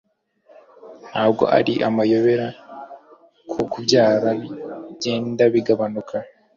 Ntabwo ari amayobera ko kubyara bigenda bigabanuka